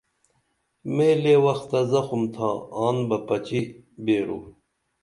میں لے وخ تہ زخم تھا آن بہ پچِی بیرو